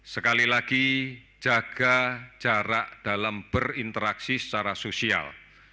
sekali lagi jaga jarak dalam berinteraksi secara sosial